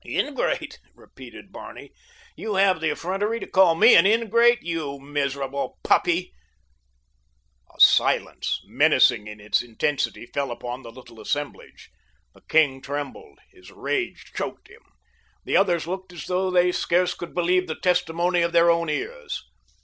"Ingrate?" repeated Barney. "You have the effrontery to call me an ingrate? You miserable puppy." A silence, menacing in its intensity, fell upon the little assemblage. The king trembled. His rage choked him. The others looked as though they scarce could believe the testimony of their own ears.